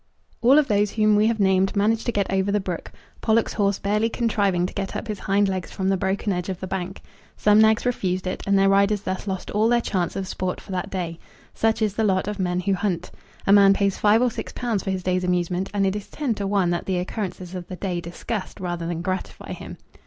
All those whom we have named managed to get over the brook, Pollock's horse barely contriving to get up his hind legs from the broken edge of the bank. Some nags refused it, and their riders thus lost all their chance of sport for that day. Such is the lot of men who hunt. A man pays five or six pounds for his day's amusement, and it is ten to one that the occurrences of the day disgust rather than gratify him!